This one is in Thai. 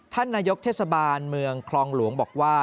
ท่านนายกเทศบาลเมืองคลองหลวงบอกว่า